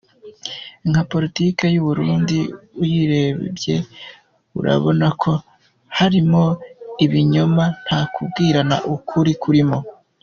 Nka Politiki yo mu Burundi uyirebye urabona ko harimo ibinyoma nta kubwirana ukuri kurimo”.